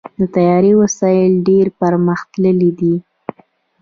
د طیارې وسایل ډېر پرمختللي دي.